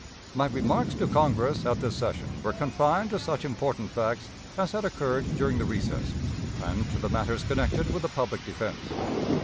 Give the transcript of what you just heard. My remarks to Congress at this session were confined to such important facts as had occurred during the recess, and to the matters connected with the public defense.